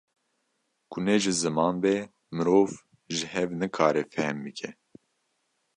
Ku ne ji ziman be mirov ji hev nikare fehm bike